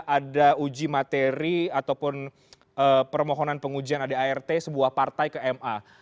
ada uji materi ataupun permohonan pengujian adart sebuah partai ke ma